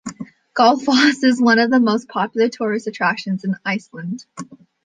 Gullfoss is one of the most popular tourist attractions in Iceland.